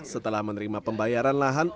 setelah menerima pembayaran lahan